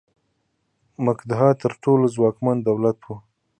مګدها تر ټولو ځواکمن دولت و.